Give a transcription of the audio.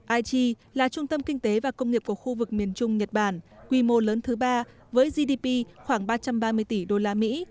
aichi là trung tâm kinh tế và công nghiệp của khu vực miền trung nhật bản quy mô lớn thứ ba với gdp khoảng ba trăm ba mươi tỷ usd